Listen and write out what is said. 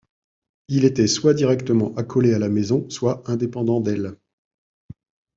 Il était soit directement accolé à la maison soit indépendant d'elle.